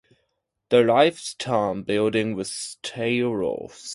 The limestone building with slate roofs.